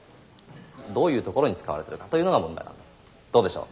どういうところに使われているかというのが問題なんですどうでしょう？